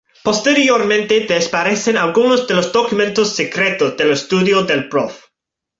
Posteriormente desaparecen algunos de los documentos secretos del estudio del Prof.